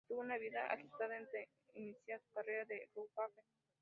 Tuvo una vida agitada antes de iniciar su carrera en la Luftwaffe.